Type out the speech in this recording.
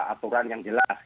aturan yang jelas